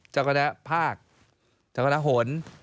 เจ้าคณะภาคเจ้าคณะหลน